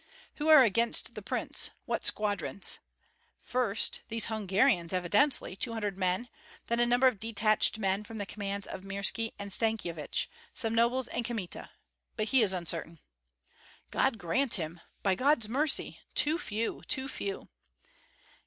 "Who are against the prince, what squadrons?" "First, these Hungarians evidently, two hundred men; then a number of detached men from the commands of Mirski and Stankyevich; some nobles and Kmita, but he is uncertain." "God grant him! By God's mercy! Too few, too few."